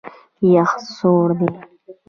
یخ سوړ دی.